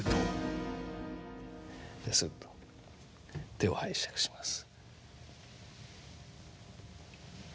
すっと手を拝借します。